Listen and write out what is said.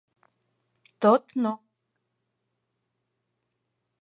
Tot no...